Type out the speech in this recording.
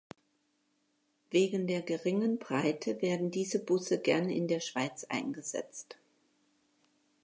Wegen der geringen Breite werden diese Busse gern in der Schweiz eingesetzt.